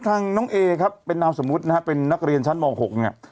ทางน้องเอครับเป็นนามสมมุตินะฮะเป็นนักเรียนชั้นม๖เนี่ย